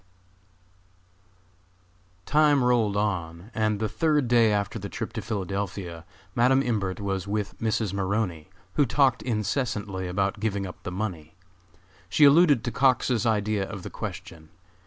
_ Time rolled on, and the third day after the trip to Philadelphia, Madam Imbert was with Mrs. Maroney, who talked incessantly about giving up the money. She alluded to Cox's idea of the question.